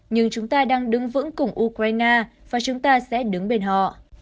nhưng chúng ta đang đứng vững cùng ukraine và chúng ta sẽ đứng bên họ